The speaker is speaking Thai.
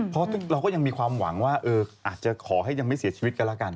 เพราะเราก็ยังมีความหวังว่าอาจจะขอให้ยังไม่เสียชีวิตกันแล้วกัน